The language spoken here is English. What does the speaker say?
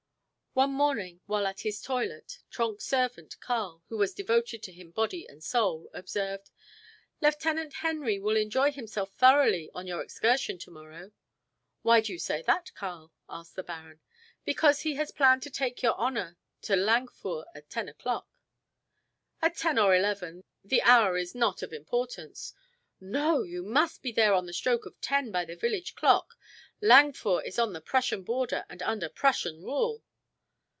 One morning, while at his toilet, Trenck's servant, Karl, who was devoted to him body and soul, observed: "Lieutenant Henry will enjoy himself thoroughly on your excursion to morrow." "Why do you say that, Karl?" asked the baron. "Because he has planned to take your honor to Langführ at ten o'clock." "At ten or eleven the hour is not of importance." "No! You must be there on the stroke of ten by the village clock. Langführ is on the Prussian border and under Prussian rule."